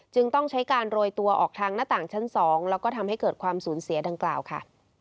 ต้องใช้การโรยตัวออกทางหน้าต่างชั้น๒แล้วก็ทำให้เกิดความสูญเสียดังกล่าวค่ะ